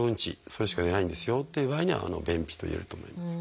それしか出ないんですよっていう場合には便秘といえると思います。